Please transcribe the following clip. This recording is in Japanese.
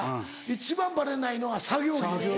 一番バレないのは作業着です。